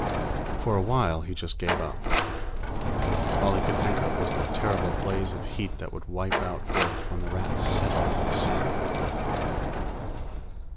For a while, he just gave up. All he could think of was the terrible blaze of heat that would wipe out Earth when the Rats set off the sun.